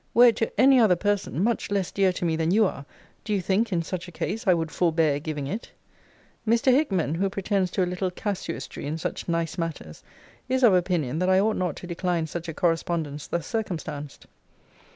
Were it to any other person, much less dear to me than you are, do you think, in such a case, I would forbear giving it? Mr. Hickman, who pretends to a little casuistry in such nice matters, is of opinion that I ought not to decline such a correspondence thus circumstanced.